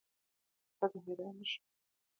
ښځه حیرانه شوه.